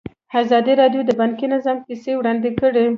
ازادي راډیو د بانکي نظام کیسې وړاندې کړي.